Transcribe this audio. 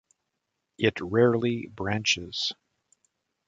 It rarely branches.